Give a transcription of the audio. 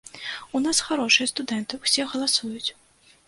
У нас харошыя студэнты, усе галасуюць.